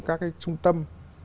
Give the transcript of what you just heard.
các trung tâm